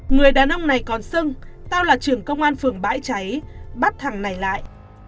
người đàn ông này còn sưng tao là trưởng công an phường bãi cháy bắt thẳng này lại